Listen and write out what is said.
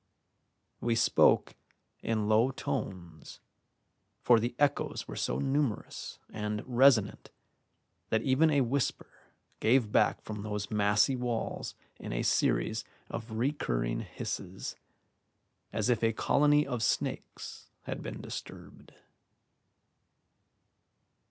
We spoke in low tones, for the echoes were so numerous and resonant that even a whisper gave back from those massy walls in a series of recurring hisses, as if a colony of snakes had been disturbed.